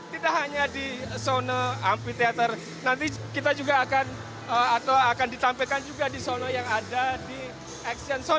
tidak hanya di sona ampitheater nanti kita juga akan atau akan ditampilkan juga di sona yang ada di action sona di bagian bawah